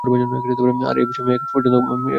আর এ বিষয়ে কেউ এখন পর্যন্ত কথা বলেনি কেন?